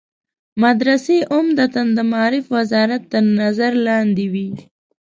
مدرسې عمدتاً د معارف وزارت تر نظر لاندې وي.